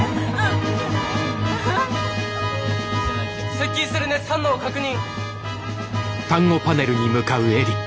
接近する熱反応を確認。